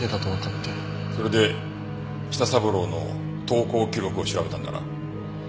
それで舌三郎の投稿記録を調べたんだな？